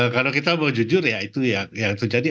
kalau kita mau jujur ya itu yang terjadi